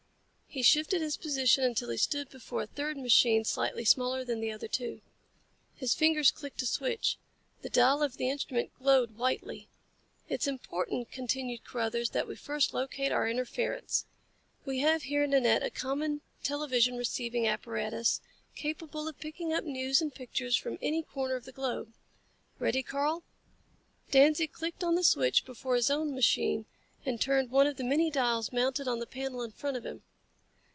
He shifted his position until he stood before a third machine slightly smaller than the other two. His fingers clicked a switch. The dial of the instrument glowed whitely. "It's important," continued Carruthers, "that we first locate our interference. We have here, Nanette, a common television receiving apparatus capable of picking up news and pictures from any corner of the globe. Ready, Karl?" Danzig clicked on the switch before his own machine and turned one of the many dials mounted on the panel in front of him.